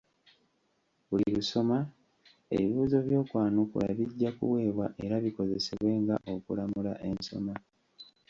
Buli lusoma, ebibuuzo by'okwanukula bijja kuweebwa era bikozesebwe nga okulamula ensoma.